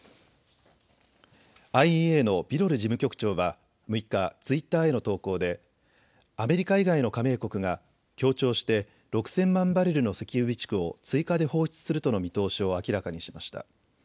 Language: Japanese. ＩＥＡのビロル事務局長は６日、ツイッターへの投稿でアメリカ以外の加盟国が協調して６０００万バレルの石油備蓄を追加で放出するとの見通しを明らかにしました。